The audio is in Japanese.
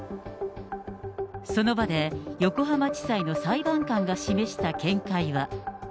その場で、横浜地裁の裁判官が示した見解は。